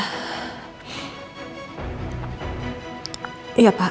kami menunggu jawaban ibu